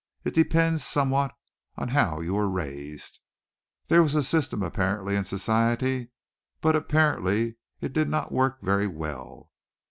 "It depends somewhat on how you were raised." There was a system apparently in society, but also apparently it did not work very well.